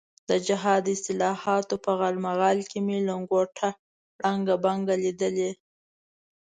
د جهاد اصطلاحاتو په غالمغال کې مې لنګوټه ړنګه بنګه لیدلې.